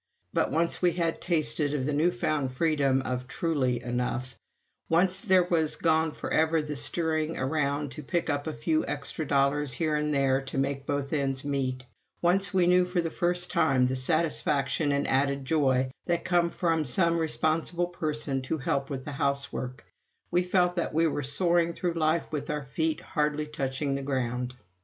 But once we had tasted of the new found freedom of truly enough; once there was gone forever the stirring around to pick up a few extra dollars here and there to make both ends meet; once we knew for the first time the satisfaction and added joy that come from some responsible person to help with the housework we felt that we were soaring through life with our feet hardly touching the ground.